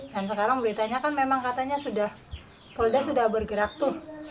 dan sekarang beritanya kan memang katanya sudah polda sudah bergerak tuh